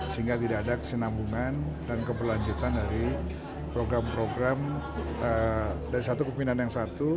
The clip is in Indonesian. sehingga tidak ada kesenambungan dan keberlanjutan dari program program dari satu kepimpinan yang satu